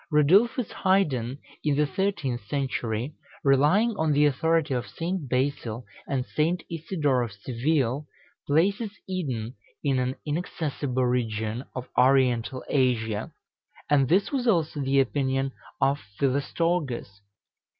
Radulphus Highden, in the thirteenth century, relying on the authority of St. Basil and St. Isidore of Seville, places Eden in an inaccessible region of Oriental Asia; and this was also the opinion of Philostorgus.